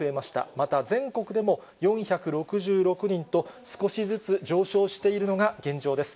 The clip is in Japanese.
また全国でも４６６人と、少しずつ上昇しているのが現状です。